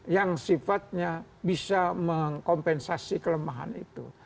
yang sifatnya bisa mengkompensasi kelemahan itu